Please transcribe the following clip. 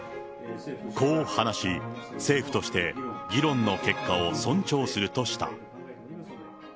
こう話し、政府として議論の結果を尊重するとした。